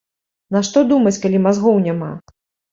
Нашто думаць, калі мазгоў няма!